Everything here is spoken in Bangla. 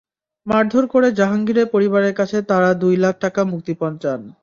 মারধর করে জাহাঙ্গীরের পরিবারের কাছে তাঁরা দুই লাখ টাকা মুক্তিপণ চান।